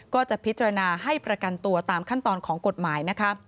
ก็จะพิจารณาให้ประกันตัวตามขั้นตอนของกฎหมายนะคะ